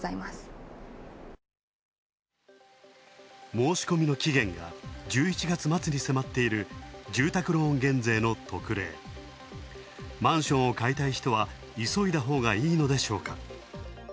申し込みの期限が１１月末に迫っている住宅ローン減税の特例、マンションを買いたい人は急いだほうがいいのでしょうか。